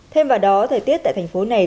thêm vào đó thời tiết tại thành phố này